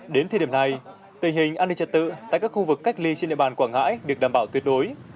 đến thời điểm này tình hình an ninh trật tự tại các khu vực cách ly trên địa bàn quảng ngãi được đảm bảo tuyệt đối